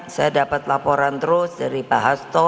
saya dapat laporan terus dari pak hasto